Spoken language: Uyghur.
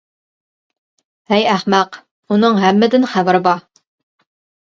ھەي ئەخمەق، ئۇنىڭ ھەممىدىن خەۋىرى بار!